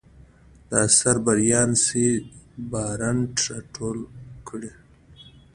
دا اثر بریان سي بارنټ راټول کړی.